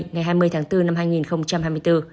ngày hai mươi tháng bốn năm hai nghìn hai mươi bốn